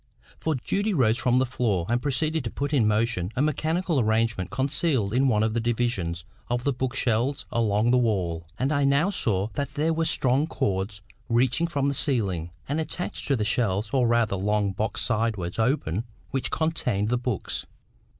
For Judy rose from the floor, and proceeded to put in motion a mechanical arrangement concealed in one of the divisions of the book shelves along the wall; and I now saw that there were strong cords reaching from the ceiling, and attached to the shelf or rather long box sideways open which contained the books.